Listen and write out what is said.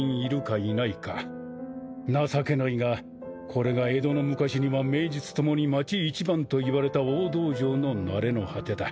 情けないがこれが江戸の昔には名実共に町一番といわれた大道場の成れの果てだ。